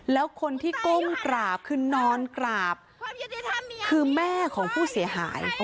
แล้วคนที่ก้มกราบคือนอนกราบคือแม่ของผู้เสียหาย